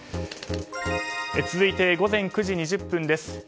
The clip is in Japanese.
続いて、午前９時２０分です。